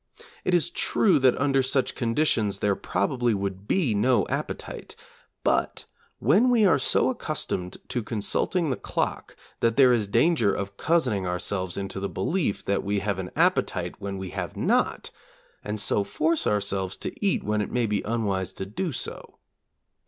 It is true that under such conditions there probably would be no appetite, but when we are so accustomed to consulting the clock that there is danger of cozening ourselves into the belief that we have an appetite when we have not, and so force ourselves to eat when it may be unwise to do so.